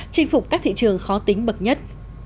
chinh phục các thị trường khó tính bậc nhất